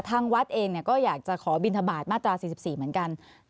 ทางวัดเองก็อยากจะขอบินทบาทมาตรา๔๔เหมือนกัน